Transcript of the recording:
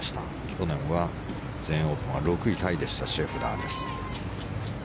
去年は全英オープンは６位タイでしたシェフラーです。